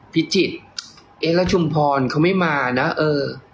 พิจิตรเอ๊ะแล้วชุมพรเขาไม่มานะเออ